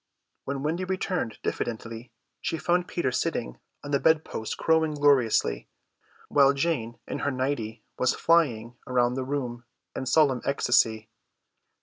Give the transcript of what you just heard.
When Wendy returned diffidently she found Peter sitting on the bed post crowing gloriously, while Jane in her nighty was flying round the room in solemn ecstasy.